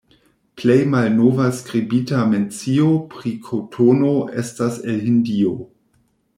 Plej malnova skribita mencio pri kotono estas el Hindio.